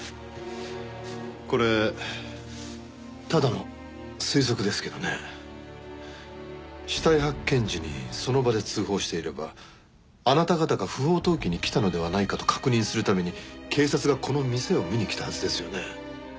これただの推測ですけどね死体発見時にその場で通報していればあなた方が不法投棄に来たのではないかと確認するために警察がこの店を見に来たはずですよね。